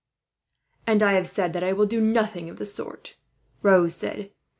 "And I have already said that I will do nothing of the sort," Raoul said.